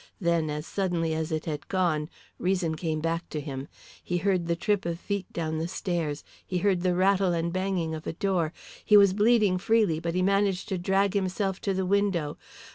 Then, as suddenly as it had gone, reason came back to him. He heard the trip of feet down the stairs, he heard the rattle and banging of a door. He was bleeding freely, but he managed to drag himself to the window.